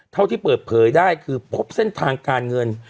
เท่าที่เปิดเผยได้คือพบเส้นทางการเงิน